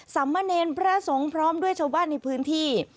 สำมะเนรพระสงฆ์พร้อมด้วยชาวบ้านในพื้นที่